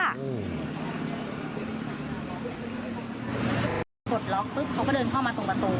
พอปลดล็อกปุ๊บเขาก็เดินเข้ามาตรงประตู